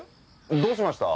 どうしました？